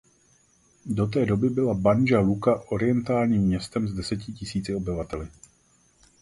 Do té doby byla Banja Luka orientálním městem s deseti tisíci obyvateli.